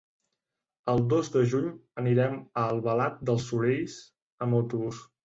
El dos de juny anirem a Albalat dels Sorells amb autobús.